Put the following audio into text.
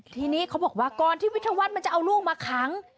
ทีนี้เขาบอกว่าก่อนที่วิทยาวัฒน์มันจะเอาลูกมาขัง